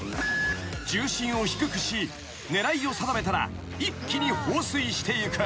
［重心を低くし狙いを定めたら一気に放水していく］